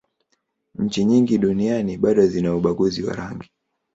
nchi nyingi duniani bado zina ubaguzi wa rangi